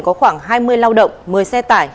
có khoảng hai mươi lao động một mươi xe tải